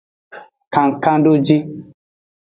Kankandoji.